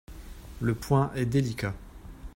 Le point est délicat.